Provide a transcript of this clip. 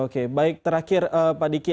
oke baik terakhir pak diki